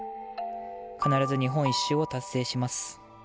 「必ず日本一周を達成します」。